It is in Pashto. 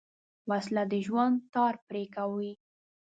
وسله د ژوند تار پرې کوي